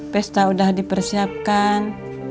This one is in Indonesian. pesta udah dipersiapkan